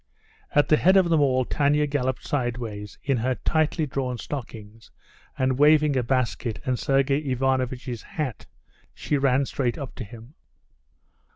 At the head of them all Tanya galloped sideways, in her tightly drawn stockings, and waving a basket and Sergey Ivanovitch's hat, she ran straight up to him.